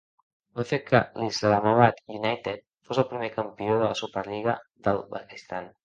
Va fer que l'Islamabad United fos el primer campió de la Superlliga del Pakistan.